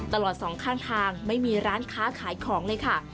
ตลอดสองข้างทางไม่มีร้านค้าขายของเลยค่ะ